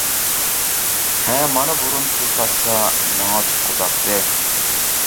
ھە مانا بۇرۇن پۇل تاپسا ماڭا تۇتقۇزاتتى.